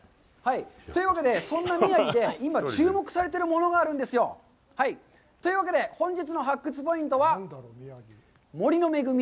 というわけで、そんな宮城で、今、注目されてるものがあるんですよ。というわけで、本日の発掘ポイントは、「森の恵み！